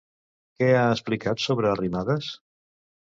Què ha explicat sobre Arrimadas?